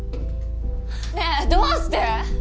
ねえどうして？